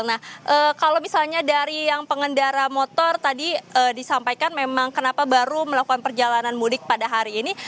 nah kalau misalnya dari yang pengendara motor tadi disampaikan memang kenapa baru melakukan perjalanan mudik pada hari ini